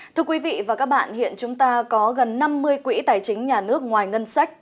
thưa quý vị và các bạn hiện chúng ta có gần năm mươi quỹ tài chính nhà nước ngoài ngân sách